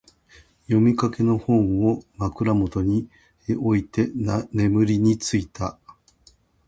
読みかけの本を、枕元に置いて眠りについた。